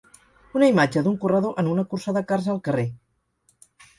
Una imatge d'un corredor en una cursa de karts al carrer.